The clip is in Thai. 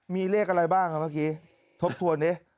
มีเลขอะไรบ้างครับเมื่อกี้ทบทวนดิ